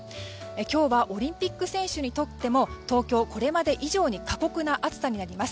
今日はオリンピック選手にとっても東京、これまで以上に過酷な暑さになります。